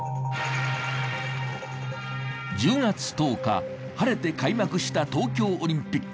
１０月１０日、晴れて開幕した東京オリンピック。